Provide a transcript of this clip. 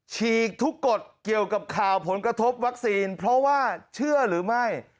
ฉีกทุกกฎเกี่ยวกับข่าวผลกระทบวัคซีนเพราะว่าเชื่อหรือไม่